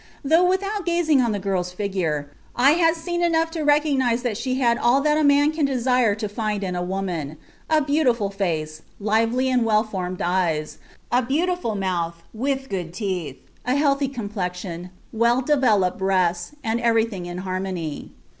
"Though without gazing on the girl's figure, I had seen enough to recognize that she had all that a man can desire to find in a woman: a beautiful face, lively and well formed eyes, a beautiful mouth, with good teeth, a healthy complexion, well developed breasts, and everything in harmony.